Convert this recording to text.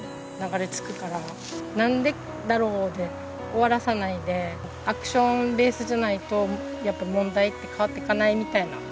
なんでだろう？で終わらさないでアクションベースじゃないとやっぱ問題って変わっていかないみたいな。